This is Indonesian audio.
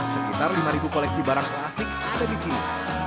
sekitar lima koleksi barang klasik ada di sini